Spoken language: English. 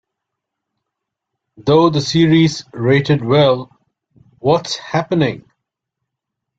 Though the series rated well, What's Happening!!